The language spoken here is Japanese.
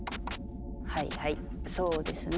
はいはいそうですね。